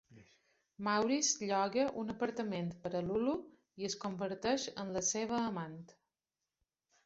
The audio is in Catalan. Maurice lloga un apartament per a Lulu i es converteix en la seva amant.